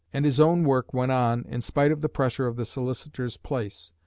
And his own work went on in spite of the pressure of the Solicitor's place.